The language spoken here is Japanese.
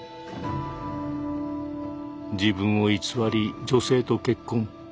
自分を偽り女性と結婚。